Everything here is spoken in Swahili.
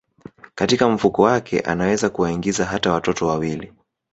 Katika mfuko wake anaweza kuwaingiza hata watoto wawili